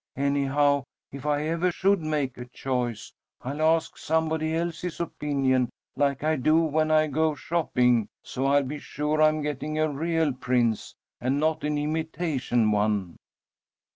Anyhow, if I ever should make a choice, I'll ask somebody else's opinion, like I do when I go shopping, so I'll be sure I'm getting a real prince, and not an imitation one."